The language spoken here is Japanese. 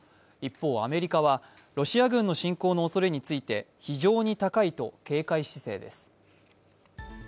一方、アメリカはロシア軍の侵攻のおそれについて非常に高いと警戒姿勢です。